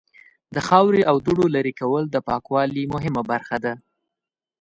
د خاورې او دوړو لرې کول د پاکوالی مهمه برخه ده.